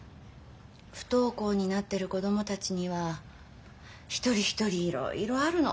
不登校になってる子供たちには一人一人いろいろあるの。